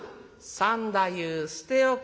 「三太夫捨て置け」。